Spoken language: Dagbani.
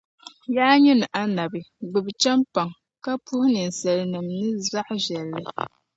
Yaa nyini Annabi! Gbibi chεmpaŋ, ka puhi ninsalinim ni zaɣivεlli.